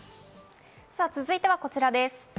続いてはこちらです。